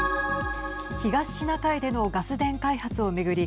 東シナ海でのガス田開発を巡り